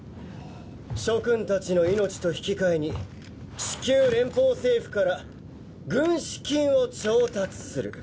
諸君たちの命と引き換えに地球連邦政府から軍資金を調達する。